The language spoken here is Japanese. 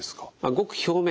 ごく表面